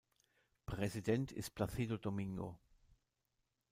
Präsident ist Plácido Domingo.